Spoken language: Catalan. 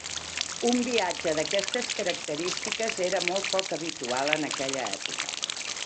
Un viatge d'aquestes característiques era molt poc habitual en aquella època.